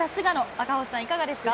赤星さん、いかがですか。